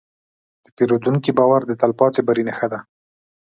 د پیرودونکي باور د تلپاتې بری نښه ده.